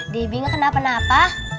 debbie gak kenapa napa